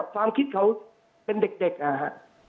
ความคิดเขาเป็นเด็กนะฮะ